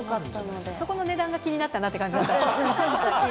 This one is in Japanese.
そこの値段が気になったなっ